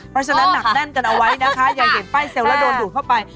เพราะฉะนั้นหนักแน่นกันเอาไว้นะคะอย่าเห็นป้ายเซลล์แล้วโดนดูดเข้าไป